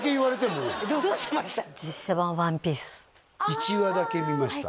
１話だけ見ました